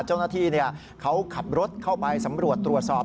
เจ้าหน้าที่เขาขับรถเข้าไปสำรวจตรวจสอบ